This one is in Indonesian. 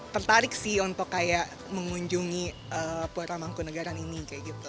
masih untuk kayak mengunjungi pura mangkunegaran ini kayak gitu